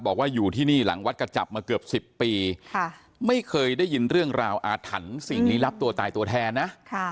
อยู่ที่นี่หลังวัดกระจับมาเกือบ๑๐ปีไม่เคยได้ยินเรื่องราวอาถรรพ์สิ่งลี้ลับตัวตายตัวแทนนะ